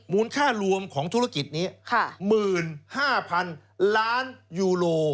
ค่ารวมของธุรกิจนี้๑๕๐๐๐ล้านยูโร